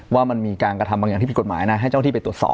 ว่ามันมีการกระทำบางอย่างที่ผิดกฎหมายนะให้เจ้าที่ไปตรวจสอบ